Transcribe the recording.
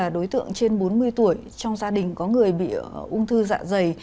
đối tượng trên bốn mươi tuổi trong gia đình có người bị ung thư dạ dày